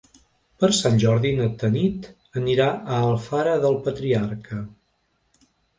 Per Sant Jordi na Tanit anirà a Alfara del Patriarca.